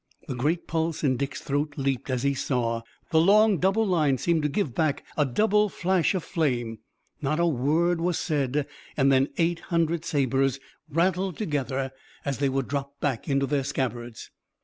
The great pulse in Dick's throat leaped as he saw. The long double line seemed to give back a double flash of flame. Not a word was said, and then eight hundred sabers rattled together as they were dropped back into their scabbards.